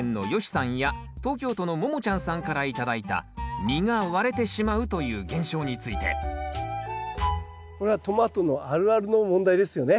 さんや東京都のももちゃんさんから頂いた実が割れてしまうという現象についてこれはトマトのあるあるの問題ですよね。